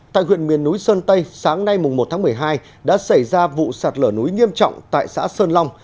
tại huyện miền núi sơn tây sáng nay một tháng một mươi hai đã xảy ra vụ sạt lở núi nghiêm trọng tại xã sơn long